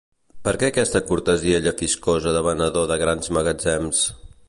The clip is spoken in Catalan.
Per què aquesta cortesia llefiscosa de venedor de grans magatzems?